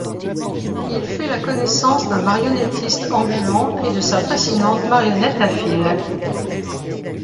Il fait la connaissance d'un marionnettiste ambulant et de sa fascinante marionnette à fil...